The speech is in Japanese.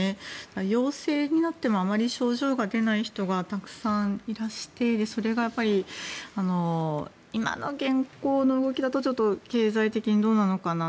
陽性になってもあまり症状が出ない人がたくさんいらしてそれが今の現行の動きだとちょっと経済的にどうなのかな